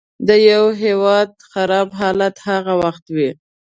د یوه هیواد خراب حالت هغه وخت وي.